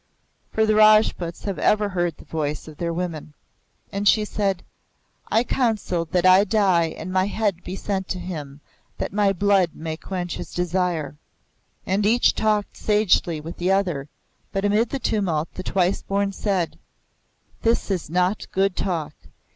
For the Rajputs have ever heard the voice of their women. And she said, "I counsel that I die and my head be sent to him, that my blood may quench his desire." And each talked eagerly with the other, but amid the tumult the Twice Born said, "This is not good talk.